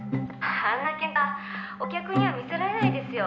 「あんなケンカお客には見せられないですよ」